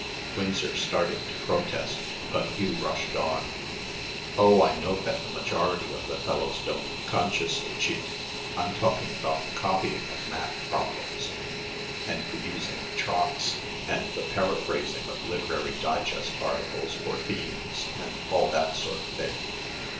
Winsor started to protest, but Hugh rushed on. "Oh, I know that the majority of the fellows don't consciously cheat; I'm talking about the copying of math problems and the using of trots and the paraphrasing of 'Literary Digest' articles for themes and all that sort of thing.